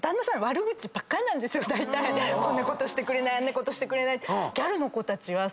こんなことしてくれないあんなことしてくれないって。